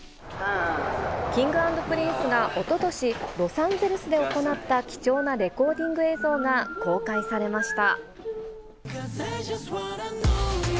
Ｋｉｎｇ＆Ｐｒｉｎｃｅがおととし、ロサンゼルスで行った貴重なレコーディング映像が公開されました。